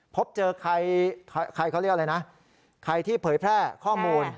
พบเจอใครที่เผยแพร่ข้อมูล